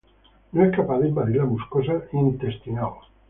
No es capaz de invadir la mucosa intestinal.